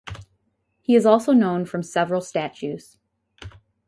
He is also known from several statues.